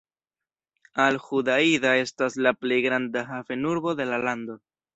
Al-Hudaida estas la plej granda havenurbo de la lando.